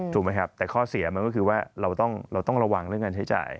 ถูกไหมครับแต่ข้อเสียมันก็คือว่าเราต้องระวังเรื่องการใช้จ่าย